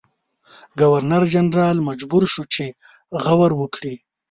ګورنرجنرال مجبور شو چې غور وکړي.